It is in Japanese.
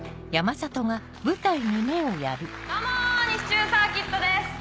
・どうも西中サーキットです！